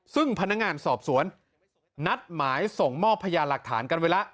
ซึ่งพนักงานสอบสวนนัดหมายส่งมอบพยานหลักฐานกันไว้แล้ว